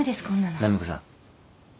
波子さん。